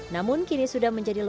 namun kini sudah menjadi lokasi